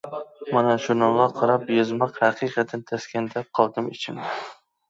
مانا شۇنىڭغا قاراپ يازماق ھەقىقەتەن تەسكەن دەپ قالدىم ئىچىمدە.